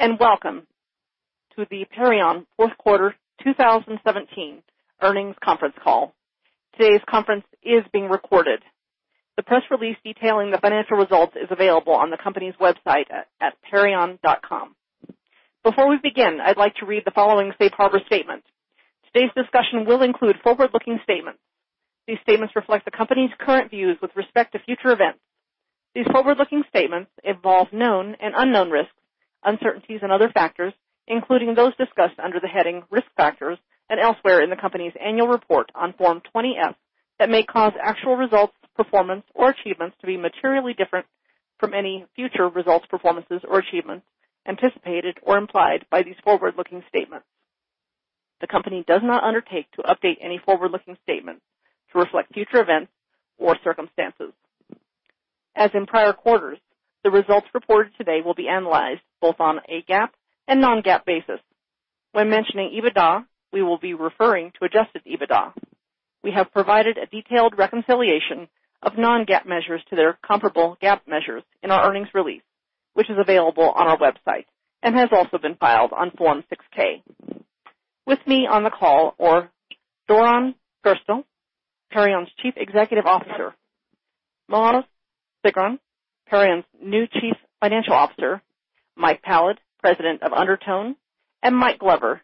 Good day. Welcome to the Perion fourth quarter 2017 earnings conference call. Today's conference is being recorded. The press release detailing the financial results is available on the company's website at perion.com. Before we begin, I'd like to read the following safe harbor statement. Today's discussion will include forward-looking statements. These statements reflect the company's current views with respect to future events. These forward-looking statements involve known and unknown risks, uncertainties, and other factors, including those discussed under the heading Risk Factors and elsewhere in the company's annual report on Form 20-F, that may cause actual results, performance, or achievements to be materially different from any future results, performances, or achievements anticipated or implied by these forward-looking statements. The company does not undertake to update any forward-looking statements to reflect future events or circumstances. As in prior quarters, the results reported today will be analyzed both on a GAAP and non-GAAP basis. When mentioning EBITDA, we will be referring to adjusted EBITDA. We have provided a detailed reconciliation of non-GAAP measures to their comparable GAAP measures in our earnings release, which is available on our website and has also been filed on Form 6-K. With me on the call are Doron Gerstel, Perion's Chief Executive Officer; Maoz Sigron, Perion's new Chief Financial Officer; Mike Pallad, President of Undertone; and Mike Glover,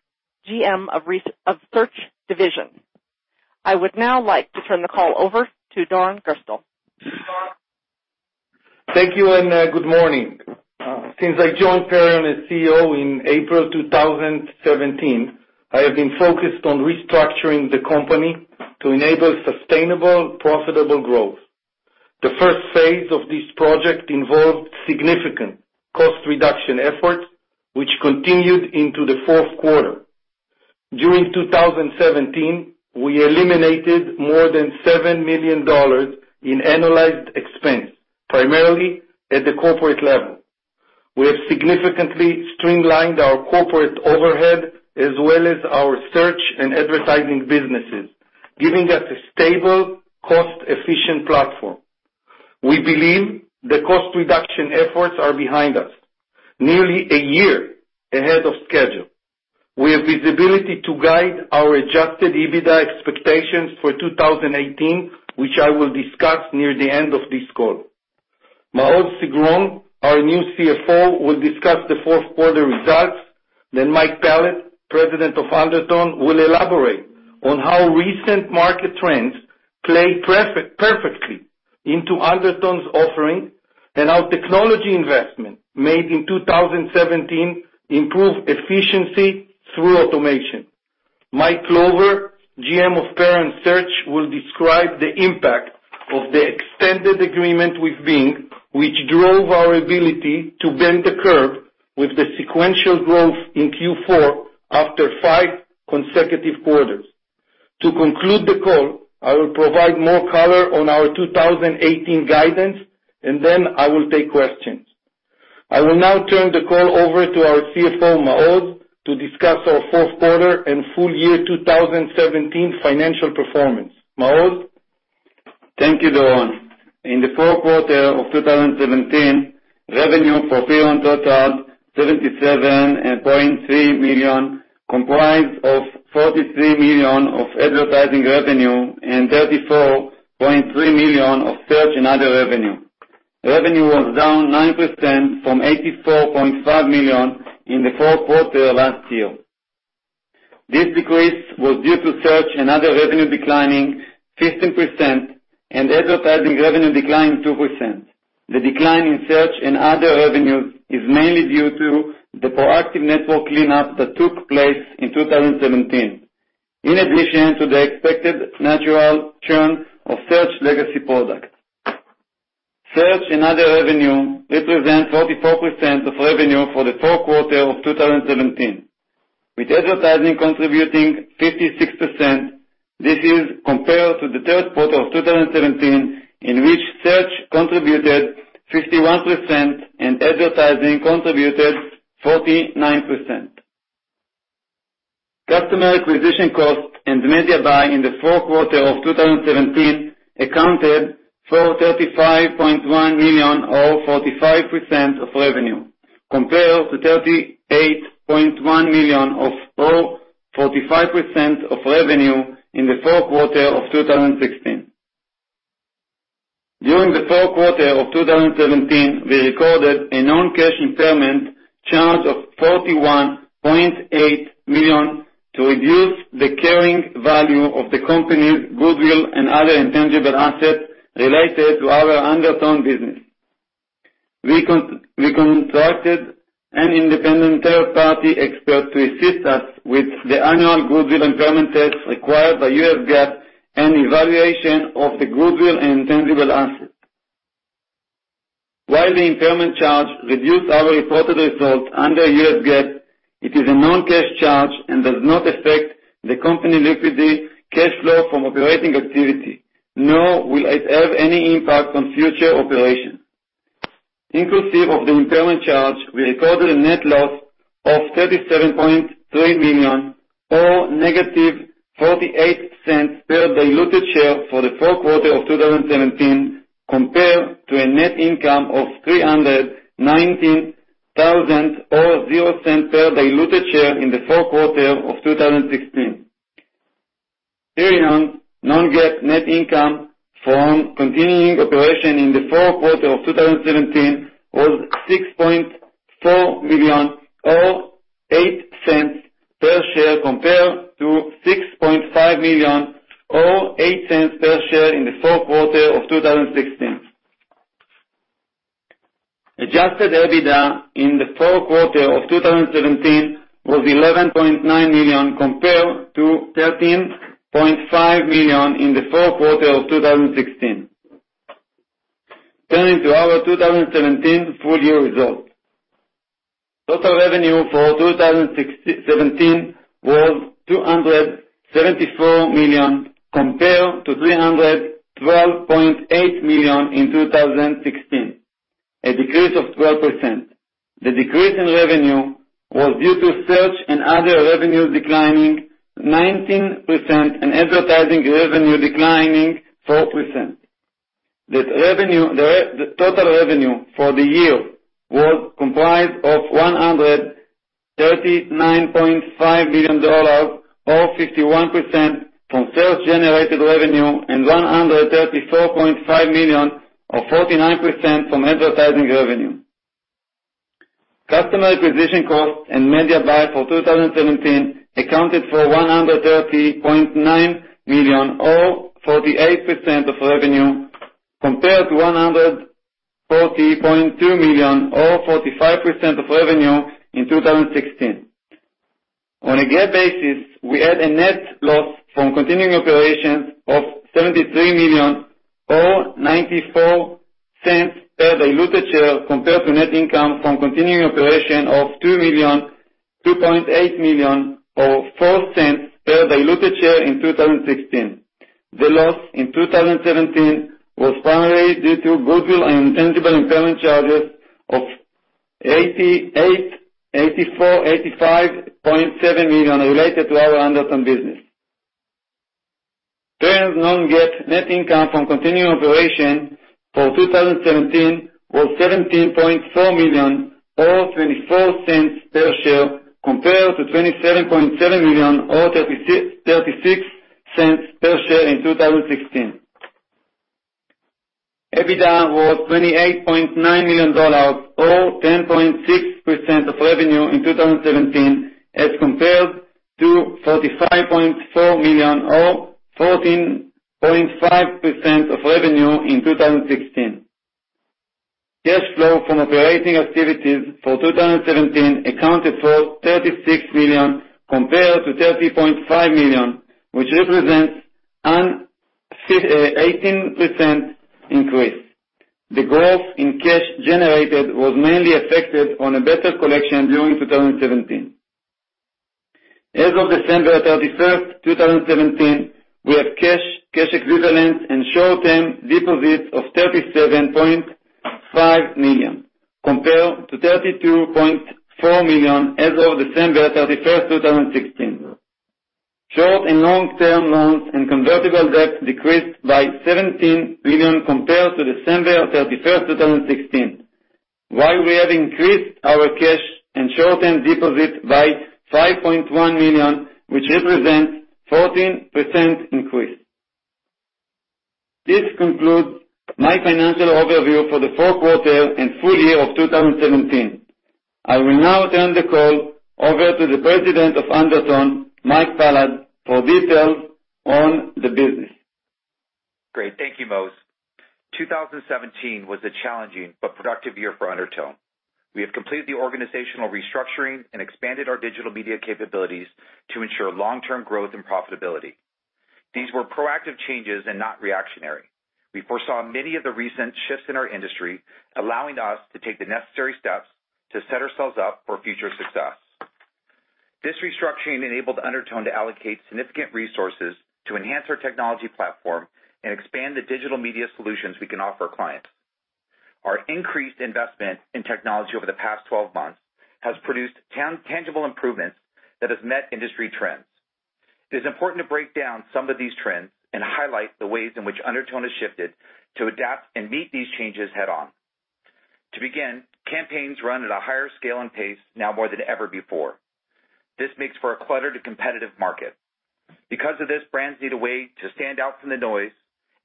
GM of Search Division. I would now like to turn the call over to Doron Gerstel. Thank you. Good morning. Since I joined Perion as CEO in April 2017, I have been focused on restructuring the company to enable sustainable, profitable growth. The first phase of this project involved significant cost reduction efforts, which continued into the fourth quarter. During 2017, we eliminated more than $7 million in analyzed expense, primarily at the corporate level. We have significantly streamlined our corporate overhead as well as our search and advertising businesses, giving us a stable, cost-efficient platform. We believe the cost reduction efforts are behind us, nearly a year ahead of schedule. We have visibility to guide our adjusted EBITDA expectations for 2018, which I will discuss near the end of this call. Maoz Sigron, our new CFO, will discuss the fourth quarter results. Mike Pallad, President of Undertone, will elaborate on how recent market trends play perfectly into Undertone's offering and how technology investment made in 2017 improved efficiency through automation. Mike Glover, GM of Perion Search, will describe the impact of the extended agreement with Bing, which drove our ability to bend the curve with the sequential growth in Q4 after five consecutive quarters. To conclude the call, I will provide more color on our 2018 guidance. I will take questions. I will now turn the call over to our CFO, Maoz, to discuss our fourth quarter and full year 2017 financial performance. Maoz? Thank you, Doron. In the fourth quarter of 2017, revenue for Perion totaled $77.3 million, comprised of $43 million of advertising revenue and $34.3 million of search and other revenue. Revenue was down 9% from $84.5 million in the fourth quarter last year. This decrease was due to search and other revenue declining 15% and advertising revenue declining 2%. The decline in search and other revenues is mainly due to the proactive network cleanup that took place in 2017, in addition to the expected natural churn of search legacy products. Search and other revenue represents 44% of revenue for the fourth quarter of 2017, with advertising contributing 56%. This is compared to the third quarter of 2017, in which search contributed 51% and advertising contributed 49%. Customer acquisition cost and media buy in the fourth quarter of 2017 accounted for $35.1 million or 45% of revenue, compared to $38.1 million or 45% of revenue in the fourth quarter of 2016. During the fourth quarter of 2017, we recorded a non-cash impairment charge of $41.8 million to reduce the carrying value of the company's goodwill and other intangible assets related to our Undertone business. We consulted an independent third-party expert to assist us with the annual goodwill impairment test required by US GAAP and evaluation of the goodwill and intangible assets. While the impairment charge reduced our reported results under US GAAP, it is a non-cash charge and does not affect the company liquidity cash flow from operating activity, nor will it have any impact on future operations. Inclusive of the impairment charge, we recorded a net loss of $37.3 million or negative $0.48 per diluted share for the fourth quarter of 2017, compared to a net income of $319,000 or $0.00 per diluted share in the fourth quarter of 2016. Perion non-GAAP net income from continuing operation in the fourth quarter of 2017 was $6.4 million or $0.08 per share compared to $6.5 million or $0.08 per share in the fourth quarter of 2016. Adjusted EBITDA in the fourth quarter of 2017 was $11.9 million compared to $13.5 million in the fourth quarter of 2016. Turning to our 2017 full-year results. Total revenue for 2017 was $274 million compared to $312.8 million in 2016, a decrease of 12%. The decrease in revenue was due to search and other revenues declining 19% and advertising revenue declining 4%. The total revenue for the year was comprised of $139.5 million, or 51%, from search-generated revenue, and $134.5 million, or 49%, from advertising revenue. Customer acquisition cost and media buy for 2017 accounted for $130.9 million, or 48% of revenue, compared to $140.2 million, or 45% of revenue, in 2016. On a GAAP basis, we had a net loss from continuing operations of $73 million, or $0.94 per diluted share, compared to net income from continuing operation of $2.8 million, or $0.04 per diluted share, in 2016. The loss in 2017 was primarily due to goodwill and intangible impairment charges of $85.7 million related to our Undertone business. Perion's non-GAAP net income from continuing operation for 2017 was $17.4 million or $0.24 per share, compared to $27.7 million or $0.36 per share in 2016. EBITDA was $28.9 million or 10.6% of revenue in 2017 as compared to $45.4 million or 14.5% of revenue in 2016. Cash flow from operating activities for 2017 accounted for $36 million compared to $30.5 million, which represents an 18% increase. The growth in cash generated was mainly affected on a better collection during 2017. As of December 31st, 2017, we have cash equivalents, and short-term deposits of $37.5 million, compared to $32.4 million as of December 31st, 2016. Short and long-term loans and convertible debt decreased by $17 million compared to December 31st, 2016, while we have increased our cash and short-term deposits by $5.1 million, which represents 14% increase. This concludes my financial overview for the fourth quarter and full year of 2017. I will now turn the call over to the President of Undertone, Mike Pallad, for details on the business. Great. Thank you, Maoz. 2017 was a challenging but productive year for Undertone. We have completed the organizational restructuring and expanded our digital media capabilities to ensure long-term growth and profitability. These were proactive changes and not reactionary. We foresaw many of the recent shifts in our industry, allowing us to take the necessary steps to set ourselves up for future success. This restructuring enabled Undertone to allocate significant resources to enhance our technology platform and expand the digital media solutions we can offer clients. Our increased investment in technology over the past 12 months has produced tangible improvements that have met industry trends. It is important to break down some of these trends and highlight the ways in which Undertone has shifted to adapt and meet these changes head-on. To begin, campaigns run at a higher scale and pace now more than ever before. This makes for a cluttered competitive market. Because of this, brands need a way to stand out from the noise,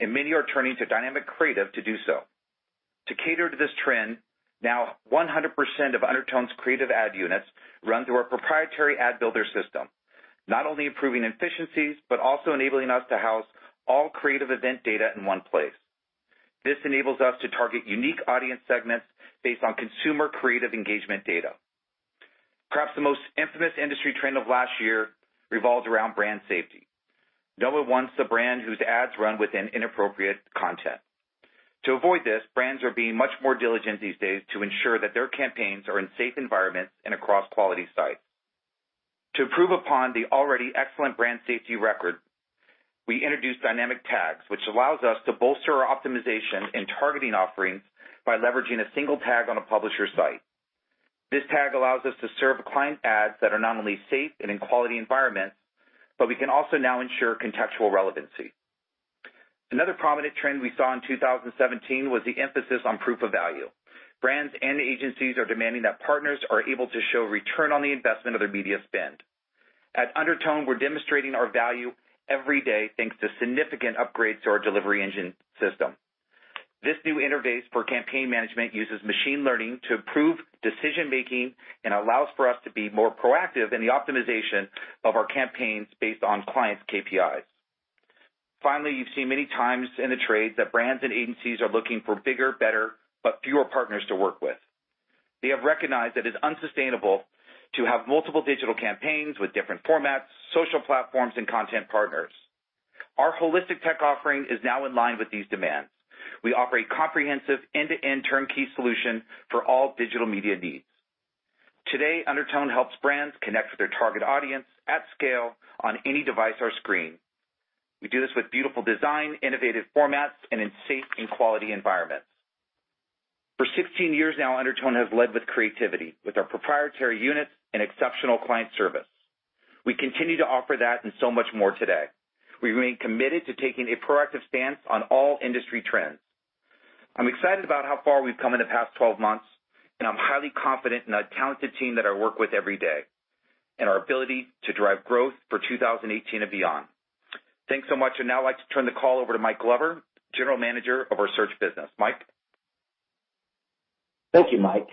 and many are turning to dynamic creative to do so. To cater to this trend, now 100% of Undertone's creative ad units run through our proprietary Ad Builder system, not only improving efficiencies but also enabling us to house all creative event data in one place. This enables us to target unique audience segments based on consumer creative engagement data. Perhaps the most infamous industry trend of last year revolved around brand safety. No one wants a brand whose ads run within inappropriate content. To avoid this, brands are being much more diligent these days to ensure that their campaigns are in safe environments and across quality sites. To improve upon the already excellent brand safety record, we introduced dynamic tags, which allows us to bolster our optimization and targeting offerings by leveraging a single tag on a publisher site. This tag allows us to serve client ads that are not only safe and in quality environments, but we can also now ensure contextual relevancy. Another prominent trend we saw in 2017 was the emphasis on proof of value. Brands and agencies are demanding that partners are able to show return on the investment of their media spend. At Undertone, we're demonstrating our value every day, thanks to significant upgrades to our delivery engine system. This new interface for campaign management uses machine learning to improve decision-making, and allows for us to be more proactive in the optimization of our campaigns based on clients' KPIs. Finally, you've seen many times in the trades that brands and agencies are looking for bigger, better, but fewer partners to work with. They have recognized that it's unsustainable to have multiple digital campaigns with different formats, social platforms, and content partners. Our holistic tech offering is now in line with these demands. We offer a comprehensive end-to-end turnkey solution for all digital media needs. Today, Undertone helps brands connect with their target audience at scale on any device or screen. We do this with beautiful design, innovative formats, and in safe and quality environments. For 16 years now, Undertone has led with creativity, with our proprietary units and exceptional client service. We continue to offer that and so much more today. We remain committed to taking a proactive stance on all industry trends. I'm excited about how far we've come in the past 12 months, and I'm highly confident in the talented team that I work with every day, and our ability to drive growth for 2018 and beyond. Thanks so much, I'd now like to turn the call over to Mike Glover, General Manager of our Search business. Mike? Thank you, Mike.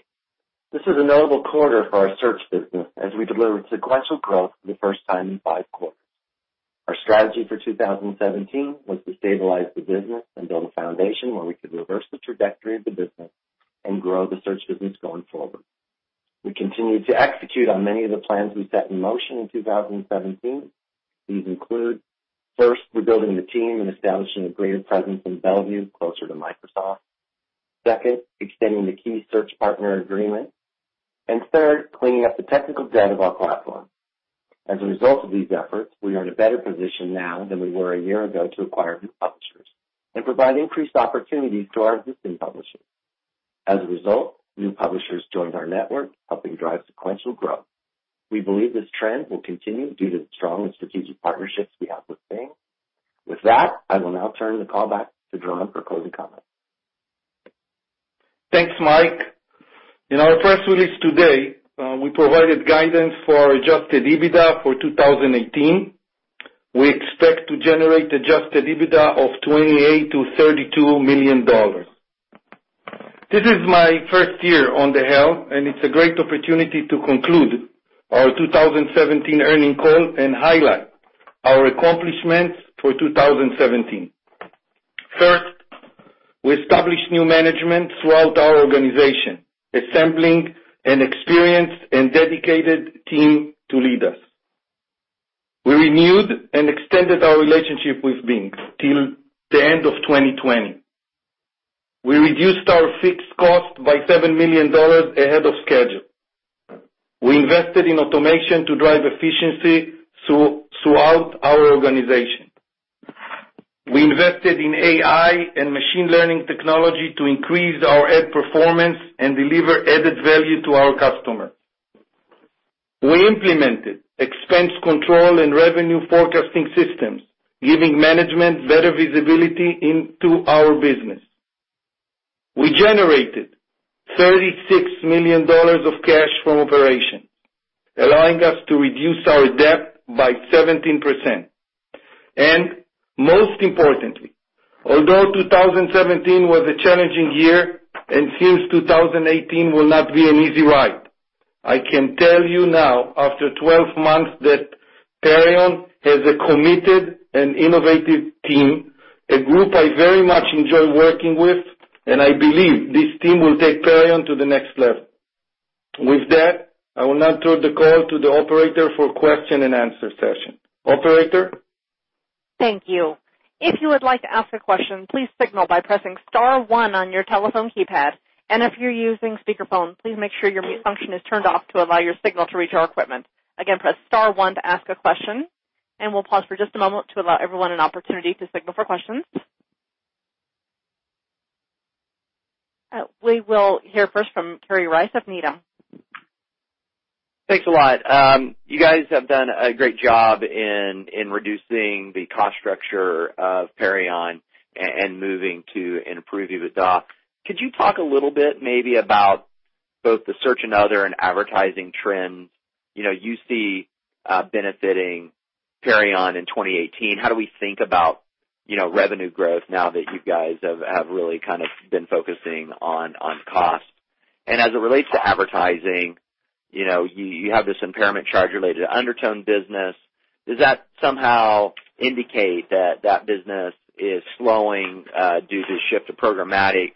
This is a notable quarter for our Search business as we delivered sequential growth for the first time in five quarters. Our strategy for 2017 was to stabilize the business and build a foundation where we could reverse the trajectory of the business and grow the Search business going forward. We continued to execute on many of the plans we set in motion in 2017. These include, first, rebuilding the team and establishing a greater presence in Bellevue, closer to Microsoft. Second, extending the key Search partner agreement. Third, cleaning up the technical debt of our platform. As a result of these efforts, we are in a better position now than we were a year ago to acquire new publishers and provide increased opportunities to our existing publishers. As a result, new publishers joined our network, helping drive sequential growth. We believe this trend will continue due to the strong and strategic partnerships we have with Bing. With that, I will now turn the call back to Doron for closing comments. Thanks, Mike. In our press release today, we provided guidance for adjusted EBITDA for 2018. We expect to generate adjusted EBITDA of $28 million-$32 million. This is my first year on the call, and it's a great opportunity to conclude our 2017 earnings call and highlight our accomplishments for 2017. First, we established new management throughout our organization, assembling an experienced and dedicated team to lead us. We renewed and extended our relationship with Bing till the end of 2020. We reduced our fixed cost by $7 million ahead of schedule. We invested in automation to drive efficiency throughout our organization. We invested in AI and machine learning technology to increase our ad performance and deliver added value to our customer. We implemented expense control and revenue forecasting systems, giving management better visibility into our business. We generated $36 million of cash from operations, allowing us to reduce our debt by 17%. Most importantly, although 2017 was a challenging year and since 2018 will not be an easy ride, I can tell you now after 12 months that Perion has a committed and innovative team, a group I very much enjoy working with, and I believe this team will take Perion to the next level. With that, I will now turn the call to the operator for question and answer session. Operator? Thank you. If you would like to ask a question, please signal by pressing *1 on your telephone keypad. If you're using speakerphone, please make sure your mute function is turned off to allow your signal to reach our equipment. Again, press *1 to ask a question. We'll pause for just a moment to allow everyone an opportunity to signal for questions. We will hear first from Kerry Rice of Needham. Thanks a lot. You guys have done a great job in reducing the cost structure of Perion and moving to and improving the debt. Could you talk a little bit maybe about both the search and other and advertising trends you see benefiting Perion in 2018? How do we think about revenue growth now that you guys have really kind of been focusing on cost? As it relates to advertising, you have this impairment charge related to Undertone business. Does that somehow indicate that that business is slowing due to shift to programmatic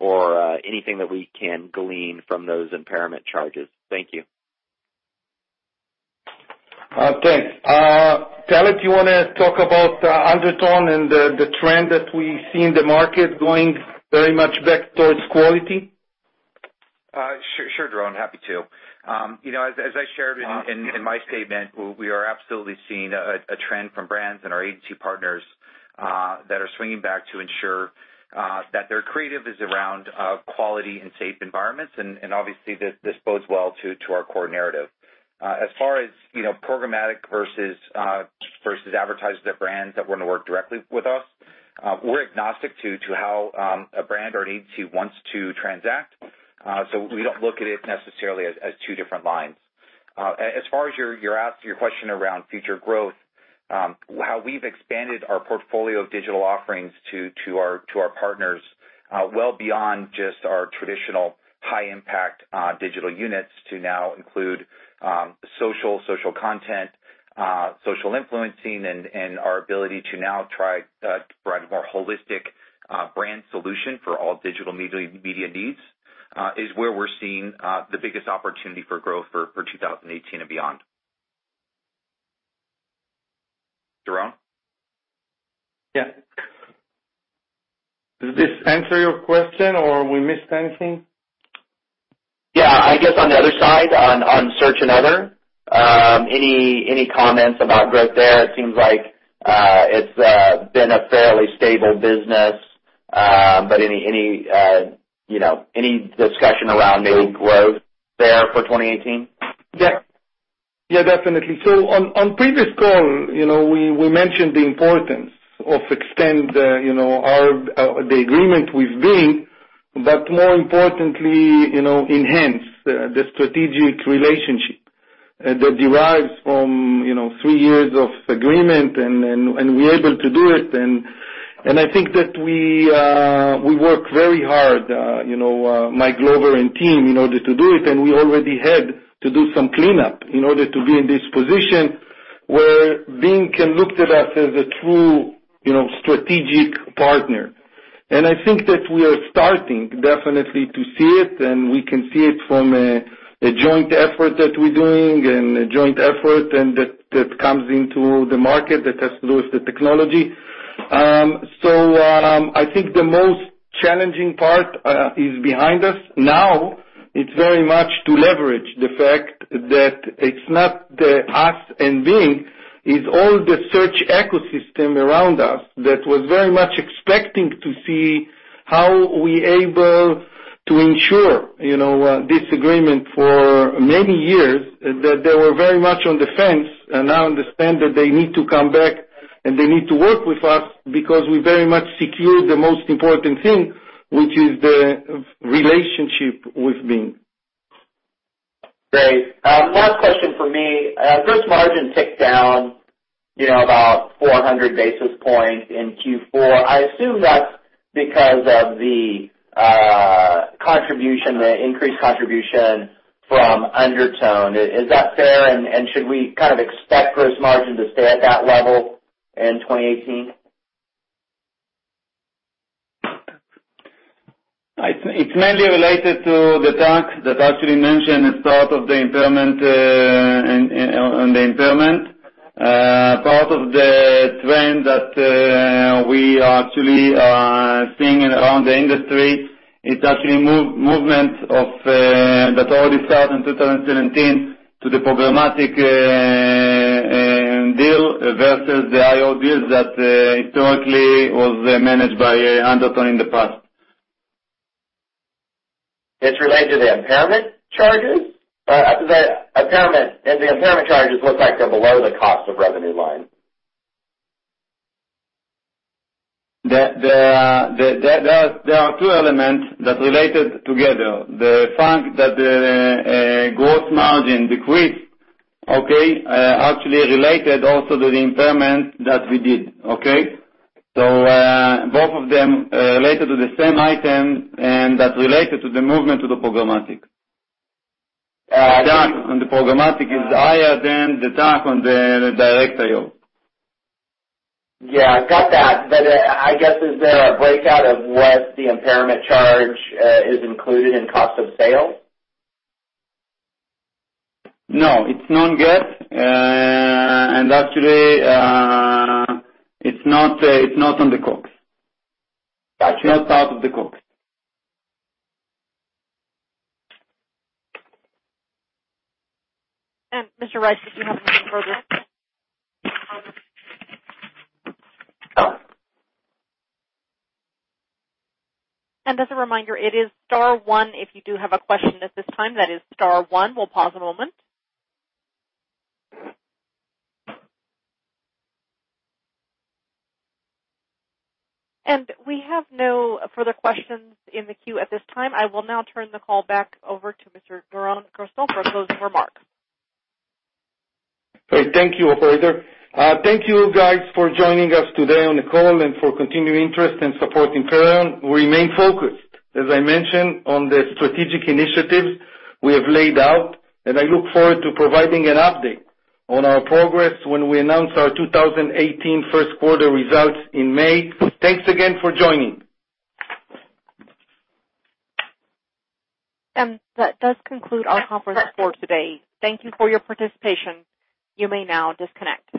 or anything that we can glean from those impairment charges? Thank you. Okay. Tal, if you want to talk about Undertone and the trend that we see in the market going very much back towards quality? Sure, Doron, happy to. As I shared in my statement, we are absolutely seeing a trend from brands and our agency partners that are swinging back to ensure that their creative is around quality and safe environments, obviously this bodes well to our core narrative. As far as programmatic versus advertisers or brands that want to work directly with us, we're agnostic to how a brand or an agency wants to transact. We don't look at it necessarily as two different lines. As far as your question around future growth, how we've expanded our portfolio of digital offerings to our partners well beyond just our traditional high-impact digital units to now include social content, social influencing, and our ability to now try to provide a more holistic brand solution for all digital media needs is where we're seeing the biggest opportunity for growth for 2018 and beyond. Doron? Yeah. Does this answer your question or we missed anything? Yeah. I guess on the other side, on search and other, any comments about growth there? It seems like it's been a fairly stable business. Any discussion around any growth there for 2018? Yeah. Definitely. On previous call, we mentioned the importance of extend the agreement with Bing, more importantly, enhance the strategic relationship that derives from three years of agreement, we're able to do it. I think that we work very hard, Mike Glover and team, in order to do it, we already had to do some cleanup in order to be in this position where Bing can look at us as a true strategic partner. I think that we are starting definitely to see it, we can see it from a joint effort that we're doing and a joint effort that comes into the market that has to do with the technology. I think the most challenging part is behind us. Now, it's very much to leverage the fact that it's not us and Bing, it's all the search ecosystem around us that was very much expecting to see how we able to ensure this agreement for many years, that they were very much on the fence and now understand that they need to come back and they need to work with us because we very much secured the most important thing, which is the relationship with Bing. Great. Last question from me. Gross margin ticked down about 400 basis points in Q4. I assume that's because of the increased contribution from Undertone. Is that fair? Should we kind of expect gross margin to stay at that level in 2018? It's mainly related to the tax that actually mentioned as part of the impairment. Part of the trend that we actually are seeing around the industry, it's actually movement that already started in 2017 to the programmatic deal versus the IO deals that historically was managed by Undertone in the past. It's related to the impairment charges? The impairment charges look like they're below the cost of revenue line. There are two elements that related together. The fact that the gross margin decreased actually related also to the impairment that we did. Okay? Both of them related to the same item, and that related to the movement to the programmatic. The tax on the programmatic is higher than the tax on the direct IO. Yeah. Got that. I guess, is there a breakout of what the impairment charge is included in cost of sale? No, it's non-GAAP, and actually, it's not on the COGS. Got you. It's not part of the COGS. Mr. Rice, if you have more further. As a reminder, it is star one if you do have a question at this time. That is star one. We'll pause a moment. We have no further questions in the queue at this time. I will now turn the call back over to Mr. Doron Gerstel for closing remarks. Great. Thank you, operator. Thank you guys for joining us today on the call and for continued interest and support in Perion. We remain focused, as I mentioned, on the strategic initiatives we have laid out, and I look forward to providing an update on our progress when we announce our 2018 first quarter results in May. Thanks again for joining. That does conclude our conference for today. Thank you for your participation. You may now disconnect.